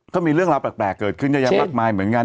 ก็มีเรื่องรับแปลกเกิดขึ้นอย่างหลักมายเหมือนกัน